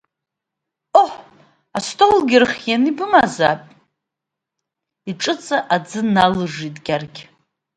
Ҟоҳ, астолгьы рхианы ибымазаап, иҿыҵа аӡы налжжит Гьаргь.